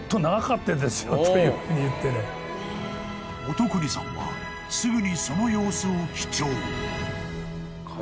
［乙訓さんはすぐにその様子を記帳］